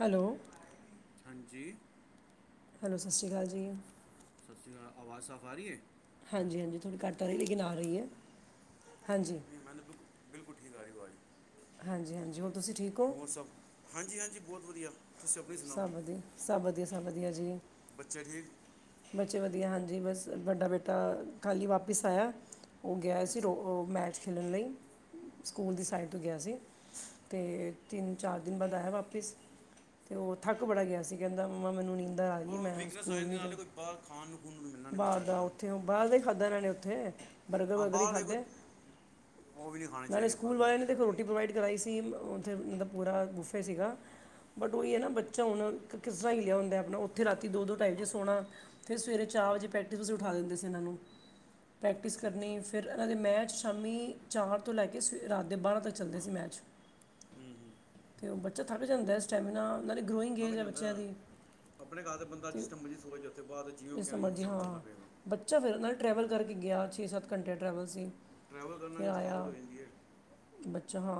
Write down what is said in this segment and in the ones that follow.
Hello ਹਾਂਜੀ hello ਸੱਸਰੀ ਕਾਲ ਜੀ। ਸੱਸਰੀ ਕਾਲ ਆਵਾਜ਼ ਸਾਫ਼ ਆ ਰੀ ਐ। ਹਾਂਜੀ-ਹਾਂਜੀ ਥੋੜ੍ਹੀ ਘੱਟ ਕਰ ਰੀ, ਲੇਕਿਨ ਆ ਰੀ ਐ ਹਾਂਜੀ। ਨਈ ਮੈਂਨੂੰ ਬਿਲਕੁ-ਬਿਲਕੁਲ ਠੀਕ ਆ ਰੀ ਅਵਾਜ਼। ਹਾਂਜੀ- ਹਾਂਜੀ ਹੁ ਹੋਰ ਸਭ ਹਾਂਜੀ-ਹਾਂਜੀ ਬੋਤ ਵਧੀਆ ਤੁਸੀਂ ਆਪਣੀ ਸੁਣਾਓ ਸਭ ਵਧੀਆ, ਸਭ ਵਧੀਆ, ਸਭ ਵਧੀਆ ਜੀ। ਬੱਚੇ ਠੀਕ? ਬੱਚੇ ਵਧੀਆ ਹਾਂਜੀ ਬਸ ਵੱਡਾ ਬੇਟਾ ਕੱਲ੍ਹ ਈ ਵਾਪਿਸ ਆਇਆ ਓ ਗਿਆ ਸੀ ਅੱਛਾ ਰੋ ਮੈਚ ਖੇਲਣ ਲਈ ਸਕੂਲ ਦੀ ਅੱਛਾ ਸਾਈਡ ਜੀ ਤੋਂ ਗਿਆ ਸੀ ਤੇ ਤਿੰਨ ਚਾਰ ਦਿਨ ਬਾਅਦ ਆਇਆ ਵਾਪਿਸ ਤੇ ਓ ਥੱਕ ਬੜਾ ਗਿਆ ਸੀ ਕਹਿੰਦਾ ਮੰਮਾ ਮੈਨੂੰ ਨੀਂਦਰ ਆ ਰੀ ਐ ਮੈ ਸਕੂਲ ਨੀ ਜਾਣਾ। ਪਰ ਖਾਣ ਖੂਣ ਨੂੰ ਮਿਲਣਾ ਨੀ ਕੋਈ ਚੱਜ ਦਾ ਬਾਰ ਦਾ ਈ ਖਾਧਾਂ ਐਨਾ ਨੇ ਉੱਥੇ। ਬਰਗਰ ਹਾਂ ਵਰਗਰ ਈ ਬਾਹਰ ਦੇ ਕੋਈ ਖਾਧੇ ਉਹ ਵੀ ਨਹੀਂ ਖਾਣੇ ਨਾਲੇ ਚਾਹੀਦੇ ਸਕੂਲ ਬਰਗਰ ਵਾਲੇ ਨੇ ਰੋ ਟੀ ਪ੍ਰੋਵਾਈਡ ਕਰਾਈ ਸੀ ਉੱਥੇ ਮਤਲਬ ਪੂਰਾ ਗੁਫੇ ਸੀਗਾ। ਬਟ ਓਈ ਐ ਨਾਂ ਬੱਚਾ ਹੁਣ ਕਿਸ ਤਰ੍ਹਾਂ ਹੀਲਿਆ ਹੁੰਦਾ ਆਪਣਾ ਉੱਥੇ ਰਾਤੀ ਦੋ- ਦੋ ਢਾਈ ਵਜੇ ਹਾਂ ਸੋਣਾ ਫੇਰ ਸਵੇਰੇ ਚਾਰ ਹਾਂਜੀ ਵਜੇ ਪ੍ਰੈਕਟਿਸਸੀ ਵਾਸਤੇ ਉਠਾ ਦਿੰਦੇ ਸੀ ਐਨਾ ਨੂੰ ਪ੍ਰੈਕਟਿਸ ਅੱਛਾ ਅੱਛਾ ਕਰਨੀ ਫੇਰ ਐਨਾ ਦੇ ਮੈਚ ਸ਼ਾਮੀ ਚਾਰ ਤੋਂ ਲੈ ਕੇ ਸਵੇ ਰਾਤ ਦੇ ਬਾਰਾਂ ਤਕ ਚਲਦੇ ਸੀ ਮੈਚ ਹੂੰ ਹੂੰ ਤੇ ਓ ਬੱਚਾ ਥੱਕ ਜਾਂਦਾ ਸਟੈਮਨਾ ਥਕ ਜਾਂਦਾ ਐ ਆਪਣੇ ਘਰ ਤੇ ਬੰਦਾ ਜਿਸ ਟੈਮ ਮਰਜੀ ਸੋ ਜੇ ਅਤੇ ਬਾਦ ਚ ਜਿਸ ਤਰਾ ਮਰਜ਼ੀ ਹਾਂ ਬੱਚਾ ਫੇਰ ਨਾ ਟਰੈਵਲ ਕਰਕੇ ਗਿਆ ਛੇ ਸੱਤ ਘੰਟੇ ਟਰੈਵਲ ਸੀ। ਟਰੈਵਲ ਕਰਨ ਨਾਲ ਫਿਰ ਵੀ ਥਕਾਵਟ ਆਇਆ ਹੋ ਜਾਂਦੀ ਐ। ਬੱਚਾ ਹਾਂ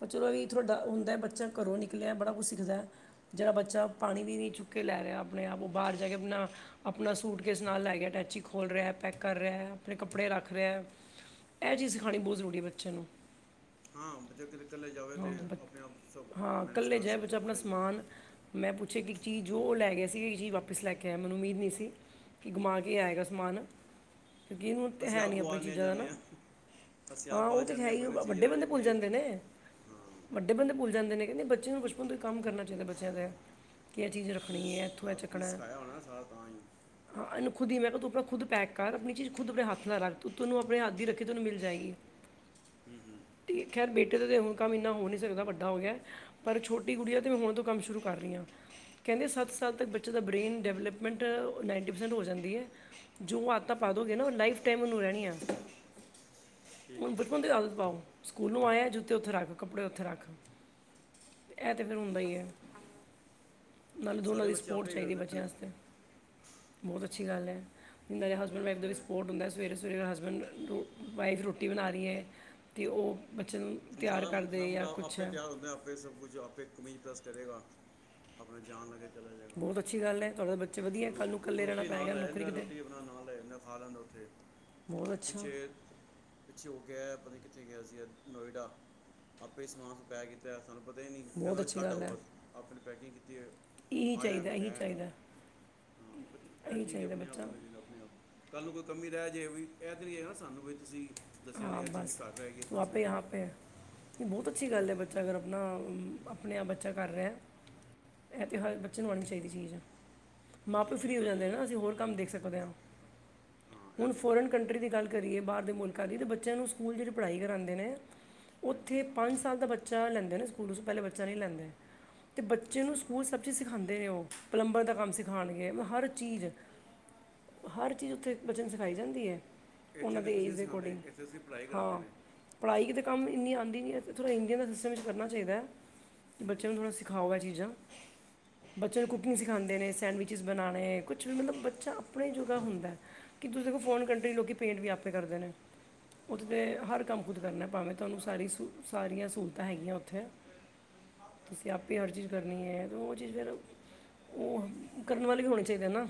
ਪਰ ਚਲੋ ਐਵੀ ਤਾਡਾ ਹੁੰਦਾ ਬੱਚਾ ਘਰੋਂ ਨਿਕਲਿਆ ਬੜਾ ਕੁਛ ਸਿੱਖਦਾ। ਜੇੜਾ ਬੱਚਾ ਪਾਣੀ ਵੀ ਨੀ ਚੁੱਕ ਕੇ ਲੈ ਰਿਆ ਅਪਣੇ ਆਪ ਉਹ ਬਾਰ ਜਾ ਕੇ ਅਪਣਾ ਆਪਣਾ ਸੂਟ ਕੇਸ ਨਾਲ ਲੈ ਗਐ। ਅਟੈਚੀ ਖੋਲ ਰੇਯੈ, ਪੈਕ ਕਰ ਰੇਯੈ, ਆਪਣੇ ਕੱਪੜੇ ਰੱਖ ਰੇਯੈ। ਏਹ ਚੀਜ਼ ਸਖਾਣੀ ਬੋਤ ਜ਼ਰੂਰੀ ਏ ਬੱਚਿਆਂ ਨੂੰ। ਹਾਂ ਜੇ ਕਿਤੇ ਕੱਲੇ ਜਾਓਗੇ ਹਾਂ ਤੇ ਆਪਣੇ ਆਪ ਸਭ ਬੱਚ- ਹਾਂ ਮੈਨੇਜ ਇਕੱਲੇ ਕਰ ਜਾਏ ਸਕੇ ਬੱਚਾ ਆਪਣਾ ਸਹੀ ਏ। ਸਮਾਨ ਮੈਂ ਪੁੱਛਿਆ ਕਿ ਇੱਕ ਚੀਜ਼ ਜੋ ਉਹ ਲੈ ਗਿਆ ਸੀ ਇਹ ਚੀਜ਼ ਵਾਪਿਸ ਲੈ ਕੇ ਆਯੈ। ਮੈਨੂੰ ਉਮੀਦ ਨੀ ਸੀ ਕਿ ਗੁਮਾ ਕੇ ਆਏਗਾ ਸਮਾਨ। ਕਿ ਇਨੂੰ ਤੇ ਅਸੀਂ ਹੈ ਆਪ ਨੀ ਆਪਣੀ ਗਵਾਨੇ ਚੀਜ਼ਾਂ ਦਾ ਜਾਂਦੇ ਨਾ ਆ ਅਸੀਂ ਆਪ ਹਾਂ ਉਹ ਬਾਹਰ ਤੇ ਜਾਂਦੇ ਹੈ ਹਾਂ ਹੀ ਕੋਈ ਔ ਨਾ ਤਾਂ ਚੀਜ਼ ਵੱਡੇ ਰਹਿ ਬੰਦੇ ਭੁੱਲ ਜਾਂਦੀ ਹੈ ਜਾਂਦੇ ਨੇ ਹਾਂ ਵੱਡ ਵਡੇ ਬੰਦੇ ਭੁੱਲ ਜਾਂਦੇ ਨੇ। ਕਹੰਦੇ ਬੱਚੇ ਨੂੰ ਬਚਪਨ ਤੋਂ ਹੀ ਕੰਮ ਕਰਨਾ ੳਹ ਤੇ ਬੱਚਿਆਂ ਦੈ ਕਿ ਏਹ ਚੀਜ਼ ਤੇ ਤੁਸੀਂ ਰੱਖਣੀ ਏ ਇੱਥੋਂ ਇਹ ਸ- ਚੱਕਣਾ ਏ [unintelligible] ਹਾਂ ਏਨੂੰ ਖੁਦ ਈ ਮੈਂ ਕਿਹਾ ਤੂੰ ਤਾ ਖੁਦ ਪੈਕ ਕਰ, ਆਪਣੀ ਚੀਜ਼ ਖੁਦ ਦੇ ਹੱਥ ਨਾਲ ਰੱਖ। ਤੈਨੂੰ ਆਪਣੇ ਹੱਥ ਦੀ ਰੱਖੀ ਤੈਨੂੰ ਮਿਲ ਜਾਏਗੀ। ਹੂੰ- ਹੂੰ। ਤੇ ਖੈਰ ਬੇਟੇ ਦਾ ਤੇ ਹੁਣ ਕੰਮ ਇੰਨਾ ਹੋ ਨੀ ਸਕਦਾ ਵੱਡਾ ਹੋ ਗਯੈ। ਪਰ ਛੋਟੀ ਗੁੱਡੀਆ ਤੇ ਮੈਂ ਹੁਣ ਤੋਂ ਕੰਮ ਸ਼ੁਰੂ ਕਰ ਰੀ ਆ। ਕਹਿੰਦੇ ਸੱਤ ਅੱਛਾ ਸਾਲ ਜੀ ਤੱਕ ਬੱਚੇ ਦਾ ਬ੍ਰੇਨ ਡੈਵਲਪਮੈਂਟ ਨਾਈਨਟੀ ਪਰਸੈਂਟ ਹੋ ਜਾਂਦੀ ਏ। ਜੋ ਆਦਤਾਂ ਅੱਛਾ ਪਾ ਜੀ ਦੋਗੇ ਨਾ ਲਾਈਫ ਟਾਈਮ ਉਨੂੰ ਰਹਣੀਯੈ। ਠੀਕ ਉਨੂੰ ਬਚਪਨ ਤੋ ਠੀਕ ਈ ਆਦਤ ਪਾਓ। ਸਕੂਲੋਂ ਆਯੈ ਜੁੱਤੇ ਔਥੇ ਰੱਖ ਕੱਪੜੇ ਔਥੇ ਰੱਖ। ਇਹ ਤਾਂ ਫੇਰ ਹੁੰਦਾ ਈ ਐ, ਨਾਲੇ ਦੋਨਾਂ ਸਾਰੇ ਦੀ ਬੱਚੇ ਸਪੋਰਟ ਆਪੇ ਹੀ ਚਾਈਦੀ ਕਰਦੇ ਬੱਚਿਆਂ ਨੇ ਆਸਤੇ। ਬਹੁਤ ਅੱਛੀ ਗੱਲ ਔ, ਮੇਰੇ ਹਸਬੈਂਡ ਹਾਂ, ਮੈ ਦਾ ਵੀ ਫਿਰ ਸਪੋਟ ਹੁੰਦੈ। ਸਵੇਰੇ- ਸਵੇਰੇ ਹਸਬੈਂਡ ਵਾਈਫ ਰੋਟੀ ਬਣਾ ਰਰੀ ਏ ਤੇ ਉਹ ਬੱਚੇ ਨੂੰ ਤਿਆਰ ਧਰਮ- ਕਰਦੇ ਧਰਮ ਦਾ ਜਾਂ ਕੁਛ ਆਪੇ ਹੈ ਤਯਾਰ ਹੁੰਦੇ ਆ। ਪੇ ਸਭ ਕੁਛ ਆਪੇ ਕਮੀਜ਼ ਪਰੈਸ ਕਰੇਗਾ ਆਪਣੇ ਜਣ ਲਗੇ। ਚਲਾ ਜਾੲਗਾ। ਬਹੁਤ ਅੱਛੀ ਗੱਲ ਹੈ ਤੁਹਾਡੇ ਬੱਚੇ ਵਧੀਆ ਰੋ ਕੱਲ ਨੂੰ ਇਕੱਲੇ ਰਹਿਣਾ ਰੋਟੀ ਨਾਲ ਪਏਗਾ ਲੈ ਨੌਕਰੀ ਜਾਂਦੈ ਕਿਤੇ ਰੋਟੀ ਆਪਣਾ ਨਾਲ ਲੈ ਜਾਂਦੈ ਖਾ ਲੈਂਦੈ ਔ ਥੇ। ਬਹੁਤ ਅੱਛਾ। ਪਿੱਛੇ ਹੋ ਕੇ ਆਯੈ, ਪਤਾ ਕਿੱਥੇ ਗਯਾ ਸੀਆ ਨੋਇਡਾ, ਆਪੇ ਸਮਾਨ ਪੈਕ ਕੀਤੈ ਸਾਨੂੰ ਪਤਾ ਈ ਨੀ। ਕਹੰਦੈ ਬਹੁਤ ਮੈਂਨੂ ਅੱਛੀ ਛੱਡ ਗੱਲ ਆਓ ਹੈ ਬਸ ਆਪਣੀ ਪੈਕਿੰਗ ਕੀਤੀ ਏ। ਇਹੀ ਆਯੈ ਚਾਹੀਦਾ ਫਿਰ ਇਹੀ ਲੈ ਆਪਾਂ। ਚਾਹੀਦਾ ਹਾਂ ਬ ਏਹ ਇਹੀ ਠੀਕ ਏ ਚਾਹੀਦਾ ਆਪਣੇ ਆਪ ਬੱਚਾ ਕਰਨਾ ਚਾਹੀਦੈ, ਆਪਣੇ ਆਪ ਕਲ ਨੂੰ ਕੋਈ ਕਮੀ ਰਹ ਜੇ ਵੀ ਏਹ ਤੇ ਨੀ ਹੈ ਨਾ ਸਾਨੂੰ ਵੀ ਤੁਸੀ ਦੱਸਿਯਾ ਨੀ ਐ ਚੀਜ ਮੇਰੀ ਘਰ ਰਹ ਗੀ ਕੁਛ ਹਾਂ ਤੇ। ਬਹੁਤ ਅੱਛੀ ਗੱਲ ਏ, ਬੱਚਾ ਅਗਰ ਅਪਣਾ ਅਪਣੇ ਆਪ ਬੱਚਾ ਕਰ ਰਯੈ। ਇਹ ਤੇ ਹਰ ਹਾਂਜੀ ਬੱਚੇ ਨੂੰ ਆਣੀ ਚਾਈਦੀ ਚੀਜ਼ ਮਾਂ-ਪਿਉ ਠੀਕ ਠੀਕ ਫਰੀ ਹੋ ਤੁਹਾਡੀ ਜਾਂਦੇ ਐ ਗੱਲ ਨਾ ਅਸੀ ਹੋਰ ਕੰਮ ਦੇਖ ਸਕਦੇ ਆਂ। ਹਾਂ ਇਹ ਹੁਣ ਤੇ ਹੈ। ਫੋਰਨ ਕੰਟਰੀ ਦੀ ਗੱਲ ਕਰੀਯੇ ਬਾਰ ਦੇ ਮੁਲਕਾਂ ਦੀ ਤੇ ਬੱਚਿਆਂ ਨੂੰ ਸਕੂਲ ਜਿੜੀ ਪੜਾਈ ਕਰਾਂਦੇ ਨੇ ਹਾਂਜੀ ਔਥੇ ਪੰਜ ਸਾਲ ਦਾ ਬੱਚਾ ਲੈਂਦੇ ਨੇ ਸਕੂਲ ਚ। ਪਹਲੇ ਬੱਚਾ ਨਹੀਂ ਲੈਂਦੇ। ਤੇ ਬੱਚੇ ਅੱਛਾ ਨੂੰ ਸਕੂਲ ਸਭ ਚੀਜ਼ ਸਿਖਾਂਦੇ ਨੇ ਉ। ਪਲੰਬਰ ਦਾ ਕੰਮ ਸਿਖਾਣਗੇ ਮ ਹਰ ਚੀਜ਼ ਹਰ ਚੀਜ਼ ਉੱਥੇ ਇਕ ਬੱਚੇ ਨੂੰ ਸਿਖਾਈ ਜਾਂਦੀ ਏ। ਇੱਥੇ ਤੇ ਕੁਸ ਨੀ ਸਿਖਾ [unintelligible] ਪੜਾਈ ਕਿਤੇ ਕੰਮ ਇੰਨੀ ਆਂਦੀ ਵੀ ਐ ਤੇ ਥੋੜਾ ਇੰਡੀਆ ਦਾ ਸਿਸਟਮ ਵਿੱਚ ਕਰਨਾ ਚਾਹੀਦੈ। ਹੂੰ, ਬੱਚਿਆਂ ਨੂੰ ਥੋੜਾ ਸਿਖਾਓ ਇਹ ਚੀਜ਼ਾਂ ਬੱਚਿਆਂ ਨੂੰ ਠੀਕ ਕੁਕਿੰਗ ਠੀਕ ਸਿਖਾਦੇ ਨੇ ਸੈਂਡਵਿ ਚਿਸ ਬਣਾਣੇ, ਕੁਛ ਵੀ ਮਤਲਬ ਬੱਚਾ ਆਪਣੇ ਜੋਗਾ ਹੁੰਦੈ। ਕਿ ਤੁਸੀ ਵ ਫੋਰਨ ਕੰਟਰੀ ਚ ਲੋਕੀ ਪੇਂਟ ਵੀ ਆਪੇ ਕਰਦੇ ਨੇ। ਉਥੇ ਤੇ ਹਰ ਕੰਮ ਖੁਦ ਕਰਨਾ ਪਵੇਂ ਥੋਨੂੰ ਸਾਰੀ ਸ ਸਾਰੀਆਂ ਸਹੂਲਤਾਂ ਹੈਗੀਆਂ ਉੱਥੇ ਤੁਸੀਂ ਆਪੇ ਹਰ ਚੀਜ਼ ਕਰਨੀ ਹੈ ਉਹ ਚੀਜ਼ ਫਿਰ ਉਹ ਕਰਨ ਵਾਲੇ ਵੀ ਹੋਣੇ ਚਾਹੀਦੇ ਨਾ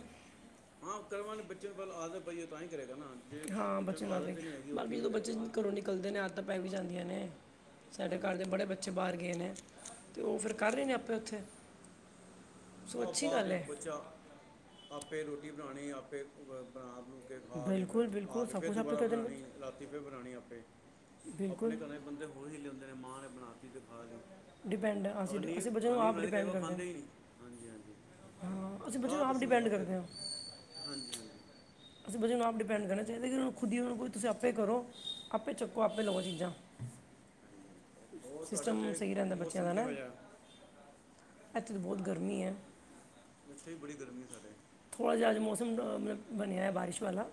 ਹਾਂ ਕਰਨ ਵਾਲੇ ਬੱਚਿਆਂ ਨੂੰ ਪਹਿਲਾ ਆਦਤ ਪਈਆ ਤਾਂ ਹੀ ਕਰੇਗਾ ਨਾ ਜੇ ਹਾਂ ਬੱਚਿਆਂ ਬੱਚੇ ਨੂੰ ਨਾਲ ਦੇ ਆਦਤ ਨਹੀਂ ਹੈਗੀ ਉਹ ਬਾਕੀ ਕਿਵੇਂ ਜਦੋਂ ਬੱਚੇ ਕਰੇਗਾ। ਘਰੋਂ ਨਿਕਲਦੇ ਨੇ ਆਦਤਾ ਪੈ ਵੀ ਜਾਂਦੀਆਂ ਨੇ ਸਾਡੇ ਘਰ ਦੇ ਹਾਂਜੀ ਬੜੇ ਬੱਚੇ ਹਾਂਜੀ ਬਾਹਰ ਗਏ ਨੇ, ਤੇ ਉਹ ਫਿਰ ਕਰ ਰਹੇ ਨੇ ਆਪੇ ਉੱਥੇ ਆ ਸੋ ਉਹ ਅੱਛੀ ਬਾਅਦ ਗੱਲ ਵਿੱਚ ਹੈ ਬੱਚਾ ਆਪੇ ਰੋਟੀ ਬਣਾਉਣੀ ਆਪੇ ਬਣਾ ਨੂੰ ਕੇ ਖਾ ਕੇ ਫਿਰ ਬਿਲਕੁਲ ਆ ਬਿਲਕੁਲ ਕੇ ਸਭ ਫਿਰ ਕੁਝ ਆਪੇ ਦੁਬਾਰਾ ਕਰਦੇ ਨੇ ਬਣਾਣੀ ਬੱਚੇ ਰਾਤੀ ਫਿਰ ਬਣਾਣੀ ਆਪੇ ਆਪਣੇ ਬਿਲਕੁਲ ਘਰੇ ਬੰਦੇ ਹੋਰ ਹੀ ਹਿੱਲੇ ਹੁੰਦੇ ਨੇ, ਮਾਂ ਨੇ ਬਣਾ ਤੀ ਤੇ ਖਾ ਲੀਏ ਡਿਪੈਂਡ ਹੈ, ਅਸੀਂ ਅਗਰ ਅਸੀਂ ਨੀਂਹ ਬੱਚੇ ਨੂੰ ਆਂਦੀ ਆਪ ਬਣਾਈ ਕਈ ਡਿਪੈਂਡ ਵਾਰ ਕਰਦੇ ਹਾਂ ਖਾਂਦੇ ਹੀ ਨਹੀਂ। ਹਾਂਜੀ- ਹਾਂਜੀ ਹਾਂ ਅਸੀਂ ਬੱਚੇ ਨੂੰ ਬਾਅਦ ਆਪ ਸਮਝਾ ਡਿਪੈਂਡ ਆਪੇ ਕਰਦੇ ਕੋ ਹਾਂ ਹਾਂਜੀ- ਹਾਂਜੀ। ਅਸੀਂ ਬੱਚੇ ਨਾਲ ਆਪ ਡਿਪੈਂਡ ਕਰਨਾ ਚਾਹੀਦਾ। ਕਿ ਹੁਣ ਖੁਦਸੀ ਆਪੇ ਕਰੋ। ਆਪੇ ਚੱਕੋ ਆਪੇ ਲਵੋ ਚੀਜ਼ਾਂ ਹਾਂਜੀ। ਹੋਰ ਤੁਹਾਡੇ ਸਿਸਟਮ ਉੱਥੇ ਸਹੀ ਰਹਿੰਦਾ ਬੱਚਿਆਂ ਮੌਸਮ ਦਾ ਨਾ ਕਿਹੋ ਜਿਹਾ ਇੱਥੇ ਤਾਂ ਬਹੁਤ ਗਰਮੀ ਹੈ। ਇੱਥੇ ਵੀ ਬੜੀ ਗਰਮੀ ਸਾਡੇ ਥੋੜਾ ਜਿਹਾ ਅੱਜ ਮੌਸਮ ਬਣਿਆ। ਬਾਰਿਸ਼ ਵਾਲਾ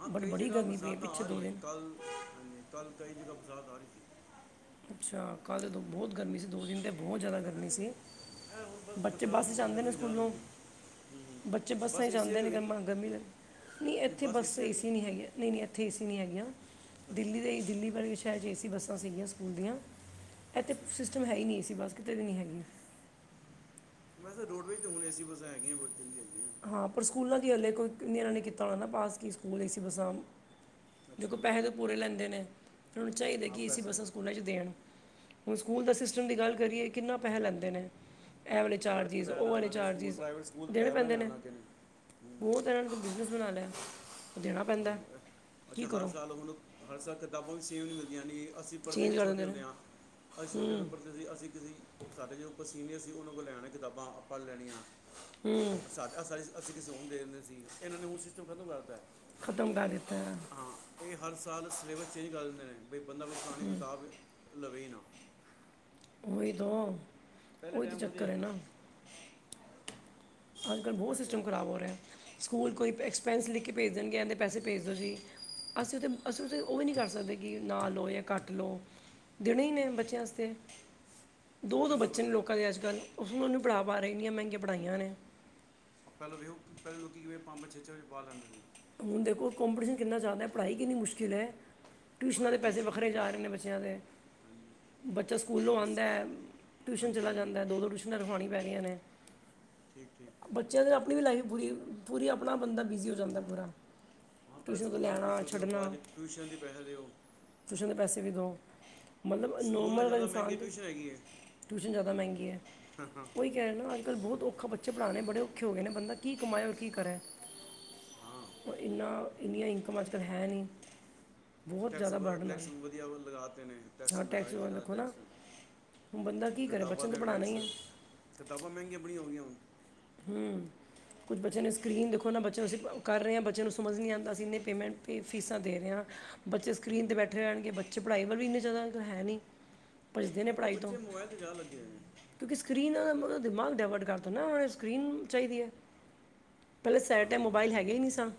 ਹਾਂ ਬਟ ਕਈ ਬੜੀ ਜਗਾ ਗਰਮੀ ਪਈ ਹੈ ਬਰਸਾਤ ਪਿੱਛੇ ਆ ਰਹੀ ਹੈ, ਦਿਨ ਕੱਲ ਹਾਂਜੀ ਕੱਲ ਕਈ ਜਗ੍ਹਾ ਬਰਸਾਤ ਆ ਰਹੀ ਸੀ। ਅੱਛਾ ਕੱਲ੍ਹ ਤੇ ਬਹੁਤ ਗਰਮੀ ਸੀ ਦੋ ਦਿਨ ਦੇ ਤੇ ਬਹੁਤ ਜ਼ਿਆਦਾ ਗਰਮੀ ਅਸੀਂ ਸੀ। ਇਹ ਹੁਣ ਬਸ ਬੱਚੇ ਬਰਸਾਤ ਬੱਸ ਤੋਂ ਚ ਬਾਅਦ ਆਦੇ ਨੇ ਗਰਮੀ ਜਾ ਸਕੂਲੋਂ ਲੱਗੀ ਹੂੰ ਹੂੰ ਬੱਚੇ ਬਸ ਬੱਸਾਂ ਚ ਏਸੀ ਵਾਲੀ ਆਦੇ ਨੇ ਹੋਏਗੀ ਗਮਾਂ ਨਹੀਂ ਗਰਮੀ ਲਦੀ ਨਹੀਂ ਇੱਥੇ ਬਸ ਬੱਸ ਵਾਲੀ ਏਸੀ ਨੀ ਨਹੀਂ-ਨਹੀਂ ਇੱਥੇ ਏਸੀ ਨੀ ਹੈਗੀਆ ਅੱਛਾ ਦਿੱਲੀ ਦੇ ਦਿੱਲੀ ਬਾਰੇ ਸ਼ਾਇਦ'ਚ ਏ ਸੀ ਬੱਸਾਂ ਸੀਗੀਆਂ ਸਕੂਲ ਦੀਆਂ ਇੱਥੇ ਅੱਛਾ ਸਿਸਟਮ ਹੈ ਹੀ ਨਹੀਂ ਏ ਸੀ ਬੱਸ ਕਿਤੇ ਵੀ ਨਹੀਂ ਹੈਗੀ ਵੈਸੇ ਰੋਡਵੇਜ਼ ਹੁਣ ਏਸੀ ਬੱਸਾਂ ਹੈਗੀਆਂ ਹੋਹੁ ਤੇਰੀ ਹੈਗੀਆਂ ਹਾਂ ਪਰ ਸਕੂਲਾਂ ਦੀ ਹਾਲੇ ਕੋਈ ਇਹਨਾਂ ਨੇ ਕੀਤਾ ਹੋਣਾ ਨਾ ਪਾਸ ਕੀ ਸਕੂਲ ਏ ਬੱਸਾਂ ਅੱਛਾ ਦੇਖੋ ਪੈਸੇ ਤਾਂ ਪੂਰੇ ਲੈਂਦੇ ਨੇ, ਫਿਰ ਉਹਨੂੰ ਚਾਹੀਦੇ ਆਪ ਕਿ ਐਸੀ ਪੈਸੇ ਬੱਸਾਂ ਸਕੂਲਾਂ 'ਚ ਦੇਣ ਹੁਣ ਸਕੂਲ ਦਾ ਸਿਸਟਮ ਦੀ ਗੱਲ ਕਰੀਏ ਕਿੰਨਾ ਪੈਸਾ ਲੈਂਦੇ ਨੇ ਐ ਵਾਲੇ ਬੜੇ ਚਾਰਜੀਸ ਪੈਸੇ ਉਹ ਲਾਣ ਆਲੇ ਲੱਗੇ ਸਕੂਲ ਚਾਰਜੀਸ ਪ੍ਰਾਈਵੇਟ ਸਕੂਲ ਦੇਣੇ ਪੈਸੇ ਬੜੇ ਪੈਂਦੇ ਲਾਣ ਨੇ ਲੱਗੇ ਹੂੰ ਬਹੁਤ ਆ ਇਹਨਾਂ ਨੂੰ ਤਾਂ ਬਿਜ਼ਨਸ ਬਣਾ ਲਿਆ। ਉਹ ਦੇਣਾ ਪੈਂਦਾ ਹੈ। ਹ ਕੀ ਅੱਛਾ ਹਰ ਕਰੋ ਸਾਲ ਉਹਣੂੰ ਹਰ ਸਾਲ ਕਿਤਾਬਾਂ ਵੀ ਸੇਮ ਨਹੀਂ ਮਿਲਦੀਆਂ ਨੇ ਅਸੀਂ ਪੜ੍ਹਦੇ ਦੇ ਚੇਂਜ ਕਰ ਛੋਟੇ ਦਿੰਦੇ ਨੇ ਹੁੰਦੇ ਆ ਅਸੀ ਛੋਟੇ ਪ੍ਰ ਤੁਂ ਅਸੀਂ ਕਿਸੇ ਸਾਡੇ ਜੋ ਕੋ ਸੀਨੀਅਰ ਸੀ, ਉਹਨਾਂ ਕੋਲ ਲੈਣਾ ਕਿਤਾਬਾਂ ਆਪਾਂ ਲੈਣੀਆਂ। ਹੂੰ। ਸਾ ਅ ਅਸੀਂ ਕਿਸੀ ਔਰ ਨੂੰ ਦੇ ਦਿੰਦੇ ਸੀ, ਇਹਨਾਂ ਨੇ ਉਹ ਸਿਸਟਮ ਖ਼ਤਮ ਕਰ ਦਿੱਤਾ। ਖਤਮ ਕਰ ਦਿੱਤੇੇ। ਹਾਂ ਇਹ ਹਰ ਸਾਲ ਸਿਲੇਬਸ ਚੇਂਜ ਕਰ ਦਿੰਦੇ ਨੇ, ਵੀ ਬੰਦਾ ਕੋਈ ਪੁਰਾਣੀ ਕਿਤਾਬ ਲਵੇ ਹੀ ਨਾ। ਉਹੀ ਦੋ ਪਹਿਲੇ ਉਹੀ ਤਾਂ ਟਾਈਮ ਵਧੀਆ ਚੱਕਰ ਹੈ ਸੀ ਨਾ ਅੱਜ ਕੱਲ੍ਹ ਬਹੁਤ ਅੱਛਾ ਸਿਸਟਮ ਖਰਾਬ ਹੋ ਰਿਹਾ, ਸਕੂਲ ਹੂੰ ਕੋਈ ਐਕਸਪੈਂਸ ਲਿਖ ਕੇ ਭੇਜ ਦੇਣਗੇ ਜਾਂਦੇ ਐਵੇ ਪੈਸੇ ਭੇਜ ਦਿਓ ਜੀ। ਅਸੀਂ ਉੱਥੇ ਅਸੀਂ ਉੱਥੇ ਤੇ ਉਹ ਵੀ ਨਹੀਂ ਕਰ ਸਕਦੇ, ਕਿ ਨਾਾਂ ਲਓ ਜਾਂ ਘੱਟ ਲਓ। ਦੇਣੇ ਹੀ ਨੇ ਹੂੰ ਬੱਚਿਆਂਸਤੇ ਆਹ ਦੋ-ਦੋ ਕਰਨਾ ਬੱਚੇ ਨੇ ਬੰਦਾ ਲੋਕਾਂ ਦੇ ਅੱਜ ਕੱਲ੍ਹ ਉਹਨੂੰ ਪੜਾ ਪਾ ਰਹੇ ਇਨੀਆਂ ਮਹਿੰਗੀਆਂ ਪੜ੍ਹਾਈਆਂ ਨੇ ਪਹਿਲਾਂ ਵੇਖ ਪਹਿਲਾਂ ਲੋਕੀ ਕਿਵੇਂ ਪੰਜ-ਪੰਜ, ਛੇ-ਛੇ ਬੱਚੇ ਪਾਲ ਲੇਂਦੇ ਸੀ। ਹੁਣ ਦੇਖੋ ਕੰਪੀਟੀਸ਼ਨ ਕਿੰਨਾ ਜ਼ਿਆਦਾ ਪੜ੍ਹਾਈ ਕਿੰਨੀ ਮੁਸ਼ਕਿਲ ਹੈ। ਟਿਊਸ਼ਨਾਂ ਪੜ੍ਹਾਈ ਦੇ ਵੀ ਪੈਸੇ ਮੁਸ਼ਕਲ ਹੋ ਵੱਖਰੇ ਗਈ ਜਾ ਰਹੇ ਨੇ ਬੱਚਿਆਂ ਦੇ ਹਾਂਜੀ ਬੱਚਾ ਸਕੂਲੋਂ ਪਹਿਲੇ ਸ- ਆਦਾ ਟਿਊਸ਼ਨ ਹਾਂਜੀ ਚਲਾ ਹਾਂਜੀ ਜਾਂਦਾ ਦੋ- ਦੋ ਟਿਊਸ਼ਨ ਨਰਹੋਣੀ ਪੈਣੀਆਂ ਨੇ। ਠੀਕ-ਠੀਕ। ਬੱਚੇਆਂ ਦੇ ਨਾ ਅਪਣੀ ਵੀ ਲਾਈਫ ਪੂਰੀ-ਪੂਰੀ ਅਪਣਾ ਬੰਦਾ ਬਿਜ਼ੀ ਹੋ ਜਾਂਦਾ ਪੂਰਾ ਹਾਂ ਪੈਲੇ ਟਿਊਸ਼ਨ ਤੋਂ ਸਕੂਲਾਂ ਲੈਣਾ ਫੀਸਾਂ ਦੇਓ, ਛੱਡਣਾ ਬਾਅਦ ਚ ਟਿਊਸ਼ਨ ਦੇ ਪੈਹੇ ਦੇਓ। ਟਿਊਸ਼ਨ ਦੇ ਪੈਸੇ ਵੀ ਦੋ, ਮਤਲਬ ਸਕੂਲ ਨਾਲ ਨੋਮਲ ਜ਼ਿਆਦਾ ਇਨਸਾਨ ਮਹਿੰਗੀ ਦੇ ਟਿਊਸ਼ਨ ਹੈਗੀ ਹੈ ਟਿਊਸ਼ਨ ਜਾਦਾ ਮੈਂਗੀ ਐ, ਓਈ ਕੈ ਰੇ ਨਾ ਅੱਜ ਕੱਲ ਨਹੀਂ ਬੋਤ ਔਖਾ ਬੱਚਾ ਬੱਚੇ ਪੜਾਨੇ ਬੜੇ ਔਖ਼ੇ ਹੋਗੇ ਨੇ, ਬੰਦਾ ਕੀ ਕਮਾਏ ਔਰ ਕੀ ਕਰੇ। [unintelligible] ਹਾਂ‌। ਓ ਇੰਨਾ ਇੰਨੀਆਂ ਇਨਕਮ ਅੱਜ ਕੱਲ ਹੈ ਨੀ। ਟੈਕਸ ਵ ਟੈਕਸ ਵਧੀਆ ਲਗਾਤੇ ਨੇ ਟੈਕਸ ਹਾਂ ਹਰ ਇੱਕ ਜਗਾ ਦੇਖੋ ਨਾ ਟੈਕਸ। ਹੁਣ ਬੰਦਾ ਕੀ ਕਰੇ ਕਤਾਬਾਂ ਬੱਚੇ ਨੂੰ ਤੇ ਤਾਂ ਪੜ੍ਹਾਉਣਾ ਟੈਕਸ। ਹੀ ਹੈ ਕਤਾਬਾਂ ਮੈਂਗੀਆਂ ਬਣੀਆਂ ਹੋ ਗਈਆਂ ਹੁਨ। ਹੂੰ। ਕੁਝ ਬੱਚੈਆਂ ਨੂੰ ਸਕਰੀਨ ਦੇਖੋ ਨਾ ਬੱਚੇਆਂ ਨੂੰ ਅਸੀ ਕਰ ਰੇ ਆਂ। ਬੱਚੇਆਂ ਨੂੰ ਸਮਝ ਨਾ ਆਂਦਾ ਅਸੀ ਏਨੇ ਪੇਮੈਂਟ ਪੇ ਫੀਸਾਂ ਦੇ ਰੇ ਆਂ। ਬੱਚੇ ਸਕਰੀਨ ਤੇ ਬੈਠੇ ਰੈਣਗੇ ਬੱਚੇ ਪੜਾਈ ਵੱਲ ਇੰਨੇ ਜਾਦਾ ਹੈ ਨੀ। ਭੱਜਦੇ ਨੇ ਅੱਜ ਕੱਲ੍ਹ ਪੜ੍ਹਾਈ ਤੋਂ। ਬੱਚੇ ਮੋਬਾਈਲ ਤੇ ਜ਼ਿਆਦਾ ਲੱਗੇ ਹੋਏ ਨੇ ਕਿਉਂਕਿ ਸਕਰੀਨ ਮਤਲਵ‌ ਦਿਮਾਗ ਡਾਇਵਰਟ ਕਰਤਾ ਨਾ ਸਕਰੀਨ ਚਾਈਦੀ ਐ। ਪੈਲੇ ਸੈ ਹਾਂ ਟੈਮ ਮੋਬਾਈਲ ਹਾਂ ਹੈਗੇ ਈ ਨੀ ਸਾਂ।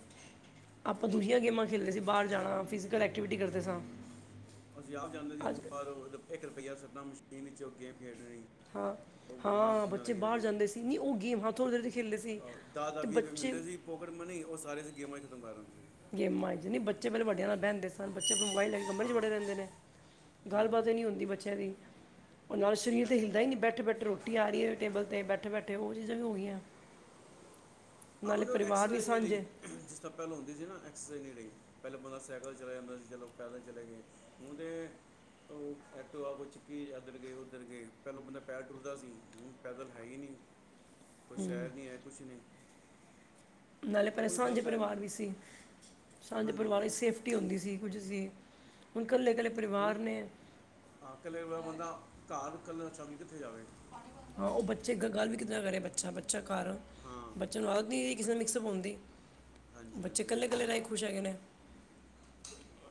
ਆਪਾਂ ਦੂਜੀਆਂ ਗੇਮਾਂ ਖੇਡਦੇ ਸੀ। ਬਾਰ ਜਾਣਾ ਫਿਜੀਕਲ ਐਕਟੀਵਿਟੀ ਕਰਦੇ ਸਾਂ। ਅਸੀਂ ਆਪ ਜਾਂਦੇ ਸੀ। ਓ ਅੱਜ ਵਾਰ ਏਕ ਰਪਈਆ ਸੱਟਣਾ ਮਸ਼ੀਨ ਇਚ ਗੇਮ ਖੇਡਣੀ‌। ਹਾਂ। ਹਾਂ, ਬੱਚੇ ਬਾਰ ਜਾਂਦੇ ਸੀ ਨੀ ਓ ਗੇਮ ਹਾਂ ਥੋੜੇ ਦੇਰ ਤੇ ਖੇਲਦੇ ਸੀ ਤੇ ਬੱਚੇ ਪੋਕੇਟ ਮਨੀ ਓ ਸਾਰੇ ਅਸੀ ਗੇਮਾਂ ਚ ਖਤਮ ਕਰ ਦੇਂਦੇ ਸੀ। ਗੇਮਾਂ ਚ। ਨਈ ਬੱਚੇ ਪੈਲਾਂ ਵੱਡੇਆਂ ਨਾਲ ਬੈਂਦੇ ਸਨ ਬੱਚੇ ਅਪਨਾ ਮੋਬਾਈਲ ਲੈ ਕੇ ਕਮਰੇ ਚ ਹਾਂ ਵੜੇ ਰੈਂਦੇ ਨੇ। ਹੂੰ ਗੱਲਬਾਤ ਹੂੰ ਈ ਨੀ ਹੁੰਦੀ ਬੱਚੇਆਂ ਦੀ। ਓ ਨਾਲੇ ਸ਼ਰੀਰ ਇਹ ਤੇ ਹੈ ਹਿੱਲਦਾ ਨੀ ਬੈਠੇ ਬੈਠੇ ਰੋ ਰੋਟੀ ਆ ਰੀ ਐ ਟੇਬਲ ਤੇ ਬੈਠੇ ਬੈਠੇ। ਓ ਚੀਜਾਂ ਵੀ ਹੋ ਗੀਆਂ। ਆ ਹੁਨ ਓ ਐਕਸਰਸਾਈਜ਼ ਨੀ ਰਈ। ਜਿਸ ਤਰਾਂ ਪੈਲੋਂ ਹੁੰਦੀ ਸੀ ਨਾ ਐਕਸਰਸਾਈਜ਼ ਨੀ ਰਈ। ਪੈਲਾਂ ਬੰਦਾ ਸੈਕਲ ਚਲਾ ਜਾਂਦਾ ਸੀ ਚਲੋ ਪੈਦਲ ਚਲੇ ਗਏ। ਹੂਂ ਤੇ ਓ ਐਕਟੋਵਾ ਕੋਈ ਚੁੱਕੀ ਏਧਰ ਗਏ ਓਧਰ ਗਏ ਪੈਲੋਂ ਬੰਦਾ ਪੈਦਲ ਟੁਰਦਾ ਸੀ ਹੁਣ ਪੈਦਲ ਹੈ ਈ ਨੀ। ਕੋਈ ਸੈਰ ਨੀ ਹੈ ਕੁਛ ਨੀ। ਨਾਲੇ ਪੈਲੇ ਸਾਂਝੇ ਪੈ ਗਿਆ ਪਰਿਵਾਰ ਵੀ ਸੀ ਸਾਂਝੇ ਹਾਂਜੀ ਪਰਿਵਾਰਾਂ ਹਾਂਜੀ ਸੇਫ ਟੀ ਹੁੰਦੀ ਸੀ। ਕੁਝ ਸੀ, ਹੁਨ ਕੱਲੇ ਕੱਲੇ ਪਰਿਵਾਰ ਹੁਣ ਨੇ ਆ ਕੱਲੇ ਮੈਂ ਬੰਦਾ ਘਰ ਕੱਲਾ ਛਡਕੇ ਕਿੱਥੇ ਜਾਵੇ। ਹਾਂ ਓ ਬੱਚੇ ਗ ਗੱਲ ਵੀ ਕਿੱਦੇ ਨਾਲ ਕਰੇ ਬੱਚਾ, ਬੱਚਾ ਘਰ। ਹਾਂ ਬੱਚੇਆਂ ਨੂੰ ਆਦਤ ਨੀ ਰੀ ਕਿਸੇ ਨਾਲ ਬੱਚ- ਮਿਕਸ ਅਪ ਹੋਨ ਦੀ। ਹਾਂਜੀ ਬੱਚੇ ਹਾਂਜੀ ਕੱਲੇ-ਕੱਲੇ ਰੈ ਕੇ ਖੁਸ਼ ਹੈਗੇ ਨੇ।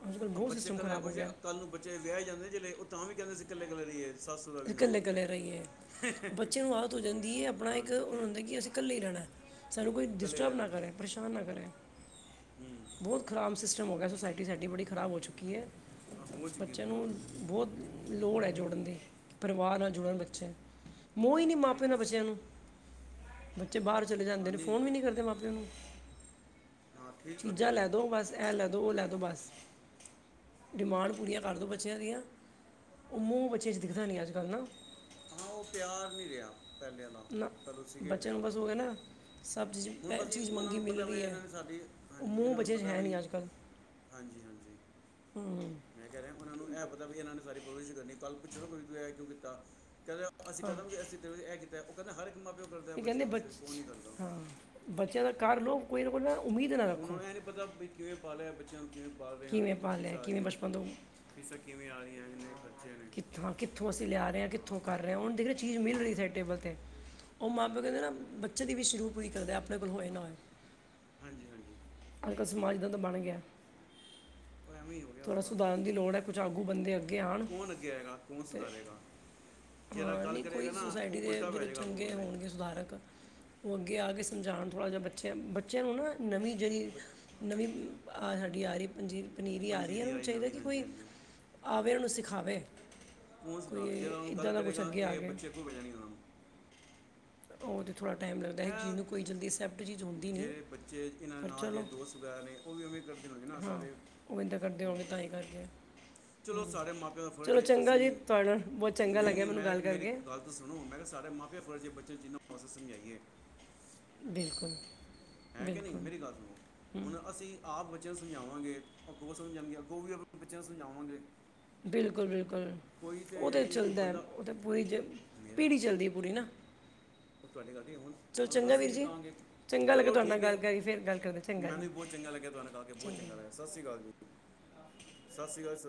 ਅੱਜ ਕੱਲ ਆ ਬੋਤ ਬੱਚੇ ਸਿਸਟਮ ਇਕੱਲੇ ਖਰਾਬ ਹੋ ਖੁਸ਼ ਹੈ ਗੇਆ। ਕੱਲ ਨੂੰ ਬੱਚੇ ਵੇਆਏ ਜਾਂਦੇ ਜਿਲੇ ਓ ਤਾਂ ਵੀ ਕੈਂਦੇ ਅਸੀ ਕੱਲੇ ਕੱਲੇ ਰਈਏ। ਅਸੀ ਕੱਲੇ ਕੱਲੇ ਰਈਏ। ਬੱਚੇ ਨੂੰ ਆਦਤ ਹੋ ਜਾਂਦੀ ਏ ਅਪਣਾ ਇੱਕ ਓਨਾਂ ਨੂੰ ਹਾਂਜੀ ਹੁੰਦਾ ਕਿ ਅਸੀ ਕੱਲੇ ਈ ਰੈਣਾ‌ਐ। ਸਾਨੂੰ ਕੋਈ ਇਕੱਲੇ ਡਿਸਟਰਬ ਨਾ ਰਹਿਣਾ ਕਰੇ ਪਰਸ਼ਾਨ ਨਾ ਕਰੇ। ਹੂੰ ਬੋਤ ਖਰਾਬ ਸਿਸਟਮ ਹੋ ਗੇਆ, ਸੋਸਾਇਟੀ ਸਾਡੀ ਬੜੀ ਖਰਾਬ ਹੋ ਚੁੱਕੀ ਐ। ਹੋ ਚੁੱਕੀ ਹੈ, ਬੱਚੇਆਂ ਬਹੁਤ ਨੂੰ ਹੋ ਚੁੱਕੀ ਹੈ। ਬੋਤ ਲੋੜ ਐ ਜੋੜਨ ਦੀ। ਪਰਿਵਾਰ ਨਾਲ ਜੁੜਨ ਹਾਂਜੀ ਬੱਚੇ। ਮੋਹ ਈ ਨੀ ਹੈ ਮਾਂ ਪੇਓ ਠੀਕ ਨਾਲ ਬੱਚੇਆਂ ਹੈ ਨੂੰ ਬੱਚੇ ਬਾਰ ਚਲੇ ਔਰ ਜਾਂਦੇ ਨੇ ਨਹੀਂ ਫੋਨ ਵੀ ਰਿਹਾ ਨੀ ਕਰਦੇ ਮਾਂ ਪੇਓ ਨੂੰ ਹਾਂ ਠੀਕ ਤੁਹਾਡੀ ਚੀਜਾਂ ਗੱਲ ਲੈ ਦੋ ਬਸ ਐ ਲੈ ਦੋ, ਓ ਲੈ ਦੋ ਬਸ। ਡਿਮਾਂਡ ਪੂਰੀਆਂ ਕਰ ਦਓ ਬੱਚੇਆਂ ਦੀਆਂ ਉਹ ਮੋਹ ਬੱਚਿਆਂ ਦਿਖਦਾ ਨੀਂ ਅੱਜ-ਕੱਲ ਨਾ। ਹਾਂ, ਓ ਪਿਆਰ ਨੀਂ ਰੇਆ ਪੈਲੇ ਆਲਾ ਨਾ ਪੈਲੋਂ ਸੀਗੇ ਬੱਚਿਆਂ ਨੂੰ ਪਿਆਰ। ਬਸ ਹੋ ਗਿਆ ਨਾ ਸਭ ਚੀਜ਼ ਹੁਣ ਪੈ- ਬਸ ਚੀਜ਼ ਓਨਾਂ ਮੰਗੀ ਨੂੰ ਮਿਲ ਪਤਾ ਵੀ ਰਹੀ ਹੈ ਇਨਾਂ ਨੇ ਸਾਡੀ ਉਹ ਹਾਂਜੀ, ਮੂੰਹ ਈਂਨਾਂ ਨੂੰ ਬੱਚੇ 'ਚ ਪਤਾ ਹੈ ਵੀ ਨਹੀਂ ਅੱਜ ਕੱਲ ਹਾਂਜੀ-ਹਾਂਜੀ, ਹੂੰ ਮੈਂ ਕੈ ਰੇਆ ਓਨਾਂ ਨੂੰ ਏ ਪਤਾ ਵੀ ਇਨਾਂ ਨੇ ਸਾਰੀ ਪਰਵਰੀਸ਼ ਕਰਨੀ। ਕੱਲ੍ਹ ਪੁੱਛਣ ਗਏ ਐ ਕਿਉਂ ਕੀਤਾ ਕੈਦੇ ਅਸੀਂ ਹਾਂ ਕੈਂਦਾ ਗਏ ਅਸੀਂ ਤੇਰੇ ਲਈ ਐ ਕੀਤਾ ਓ ਕੈਂਦੇ ਹਰ ਇੱਕ ਮਾਂ ਪਿਓ ਸਭ ਕਰਦੇਂ ਬਚੇਆਂ ਵਾਸਤੇ, ਕੌਣ ਨੀਂ ਕਰਦਾ? ਬੱਚੇਆਂ ਦਾ ਘਰ ਲਉ ਕੋਈ ਨਾ ਕੋਈ ਨਾ ਉਮੀਦ ਨਾ ਓਨਾਂ ਨੂੰ ਰੱਖੋ ਐ ਨੀਂ ਪਤਾ ਵੀ ਕਿਵੇਂ ਪਾਲ ਰੇਆ ਬੱਚੇਆਂ ਨੂੰ ਕਿਵੇਂ ਪਾਲ ਰੇਆ ਕਿਵੇਂ ਕਿੱਥੋਂ ਪਾਲਿਆ ਫੀਸਾਂ ਆ ਕਿਵੇਂ ਰੀਆਂ? ਬਚਪਨ ਤੋਂ ਫੀਸਾਂ ਕਿਵੇਂ ਆ ਰੀਆਂ ਇੰਨੇ ਖਰਚੇ ਨੇ। ਹਾਂ ਕਿੱਥੋਂ ਅਸੀਂ ਲਿਆ ਰਿਆਂ, ਹਾਂ ਕਿੱਥੋਂ ਕਰ ਹਾਂ ਰੇਆਂ ਹੁਣ ਦੇਖਦੇ, ਚੀਜ ਮਿਲ ਰਹੀ ਸਾਰੀ ਟੇਬਲ 'ਤੇ। ਓ ਮਾਂ-ਪਿਓ ਕੈਂਦੇ ਨਾ ਬੱਚੇ ਦੀ ਵੀ ਸ਼ੁਰੂ ਪੂਰੀ ਕਰਦੇ ਅਪਨੇ ਕੋਲ ਹੋਏ ਨਾ ਹੋਏ। ਹਾਜੀ-ਹਾਜੀ। ਅੱਜ-ਕੱਲ ਸਮਾਜਦਾਂ ਦਾ ਤਾ ਬਣ ਗਿਆ। ਐਵੇਂ ਓ ਥੋੜ੍ਹਾ ਸੁਧਾਰਨ ਦੀ ਲੋੜ ਐ, ਕੁਛ ਆੱਗੂ ਬੰਦੇ ਅੱਗੇ ਆਣ। ਕੌਣ ਅੱਗੇ ਆਏਗਾ ਕੌਣ ਸੁਧਾਰੇਗਾ ਜਿਹੜਾ ਹਾਂ, ਗੱਲ ਨਈਂ ਕੋਈ ਕਰੇਗਾ ਨਾ ਸੁੋਸਾਇਟੀ ਉਹ ਦੇ ਉਲਟਾ ਪੈ ਜੇੜੇ ਜਾਏਗਾ ਅੱਗੋਂ ਚੰਗੇ ਬੰਦੇ ਹੋਣਗੇ ਸੁਧਾਰਕ ਓਹ ਅੱਗੇ ਆ ਕੇ ਸਮਝਾਣ ਥੋੜ੍ਹਾ ਜਾ, ਬੱਚੇਆਂ ਬੱਚੇਆਂ ਨੂੰ ਨਾ ਨਵੀਂ ਜੇੜੀ ਬ- ਨਵੀਂ- ਆਹ ਸਾਡੀ ਆ ਰਹੀ ਪੰਜੀਰੀ ਪਨੀਰੀ ਆ ਰਿਐ ਪੰਜੀਰੀ ਓਨਾਂ ਨੂੰ ਆਈ ਚਾਈਦਾ ਨਵੀਂ ਕਿ ਹਾਂਜੀ ਕੋਈ ਹਾਂਜੀ ਆਵੇ ਓਨੂੰ ਸਿਖਾਵੇ। ਕੌਣ ਕੋਈ ਏਦਾਂ ਦਾ ਕੁਛ ਅੱਗੇ ਆਕੇ। ਕੋਈ ਜਾਣੀ ਓਨਾਂਨੂੰ। ਓ ਤੇ ਥੜ੍ਹਾ ਟਾਈਮ ਲੱਗਦਾ ਜੀਨੂੰ ਕੋਈ ਜਲਦੀਸੈਪ ਜੇੜੇ ਬੱਚੇ ਈਨਾਂ ਨਾਲ ਦੇ ਦੋਸਤ ਵਗੈਰਾ ਨੇ ਓਵੀ ਉਵੇਂ ਕਰਦੇ ਹੁਣੇ ਨਾ ਸਾਰੇ ਓ ਇੱਦਾਂ ਕਰਦੇ ਹੋ ਹੋਣਗੇ ਤਾਂ ਗਿਆ ਹੀ ਕਰਦੇ ਆ। ਚਲੋ ਸਾਡੇ ਮਾਪਿਆਂ ਦਾ ਫਰਜ਼ ਚਲੋ ਹੈ ਚੰਗਾ ਅਸੀਂ ਜੀ, ਤੁਆਡੇ ਨਾ ਬੋਤ ਚੰਗਾ ਨਹੀਂ ਲੱਗਿਆ ਨਹੀਂ ਮੈਨੂੰ ਮੈਂ ਗੱਲ ਮੇਰੀ ਕਰਕੇ। ਗੱਲ ਸੁਣੋ ਮੈਂ ਕੇਆ ਸਾਰੇ ਮਾਪੇ ਆ ਫਰਜ ਬੱਚੇਆਂ ਨੂੰ ਜਿਨਾ ਹੋ ਸਕੇ ਸਮਝਾਈਏ। ਬਿਲਕੁਲ। ਹੈ ਕਿ ਨਈਂ, ਬਿਲਕੁਲ ਮੇਰੀ ਗੱਲ ਸੁਣੋ ਹੁਣ ਅਸੀ ਆਪ ਬੱਚੇਆਂ ਨੂੰ ਸਮਝਾਵਾਂਗੇ ਅੱਗੋਂ ਸਮਝਾਣਉਣਗੇ ਅੱਗੋਂ ਵੀ ਆਪਣੇ ਬੱਚਿਆਂ ਨੂੰ ਸਮਝਾਵਾਂਗੇ। ਬਿਲਕੁਲ-ਬਿਲਕੁਲ। ਕੋਈ ਤੇ ਓਤੇ ਯਾਨੀ ਕਿ ਕੋਈ ਚਲਦੈ ਬੰਦਾ ਓਤਾਂ ਪੂਰੀ ਜ ਪੀੜੀ ਚਲਦੀ ਪੂਰੀ ਨਾ। ਓ ਤੁਆਡੀ ਗੱਲਤੀ ਹੁਣ, ਚਲੋ ਅਗਰ ਚੰਗਾ ਅਸੀ ਵੀਰ ਨ ਜੀ ਕਹਾਂਗੇ ਚੰਗਾ ਲੱਗਾ ਚਲੋ ਤੁਹਾਡੇ ਨਾਲ ਠੀਕੇ, ਗੱਲ ਕਰੀ ਫਿਰ ਗੱਲ ਕਰਦੇ ਚੰਗਾ ਮੈਨੂੰ ਜੀ ਵੀ ਬੋਤ ਚੰਗਾ ਲੱਗਿਆ ਤੁਆਨੂੰ ਆਕੇ ਬੋਤ ਚੰਗਾ ਲੱਗਿਆ ਸਸ ਰੀਕਾਲ ਜੀ। ਸਸ ਰੀਕਾਲ ਸਰ